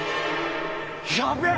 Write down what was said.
やべえ！